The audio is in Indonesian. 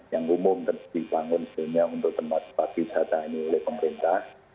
yang umum dibangun sehingga untuk tempat tempat wisata ini oleh pemerintah